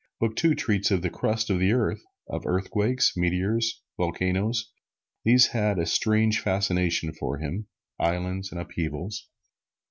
Book Two treats of the crust of the earth, of earthquakes, meteors, volcanoes (these had a strange fascination for him), islands and upheavals.